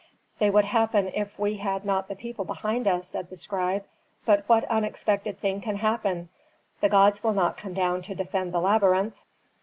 "They would happen if we had not the people behind us," said the scribe. "But what unexpected thing can happen? The gods will not come down to defend the labyrinth."